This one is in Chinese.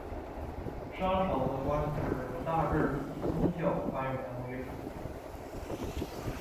商朝的官职大致以宗教官员为主。